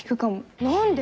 何で？